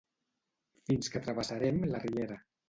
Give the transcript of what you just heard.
fins que travessarem la riera